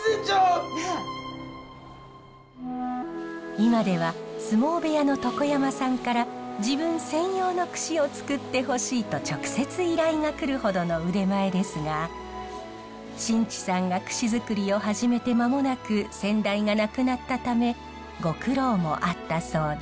今では相撲部屋の床山さんから自分専用の櫛を作ってほしいと直接依頼が来るほどの腕前ですが新地さんが櫛づくりを始めて間もなく先代が亡くなったためご苦労もあったそうで。